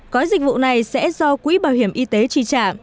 gói dịch vụ này sẽ do quỹ bảo hiểm y tế chi trả